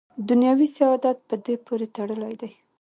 دنیوي سعادت په دې پورې تړلی دی.